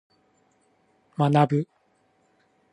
学ぶ。